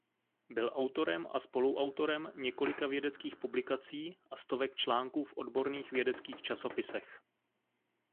Byl autorem a spoluautorem několika vědeckých publikací a stovek článků v odborných vědeckých časopisech.